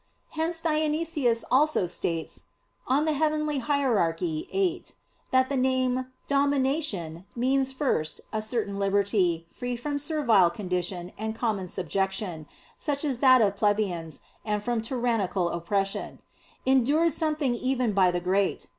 Hence Dionysius also states (Coel. Hier. viii) that the name "Domination" means first "a certain liberty, free from servile condition and common subjection, such as that of plebeians, and from tyrannical oppression," endured sometimes even by the great.